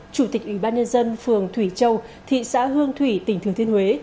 chủ tịch ủy ban nhân dân phường thủy châu thị xã hương thủy tỉnh thừa thiên huế